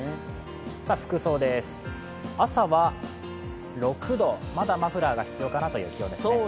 服装です、朝は６度、まだマフラーが必要かなという気温ですね。